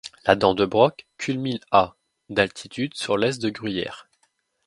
La dent de Broc culmine à d'altitude sur l'est de Gruyères.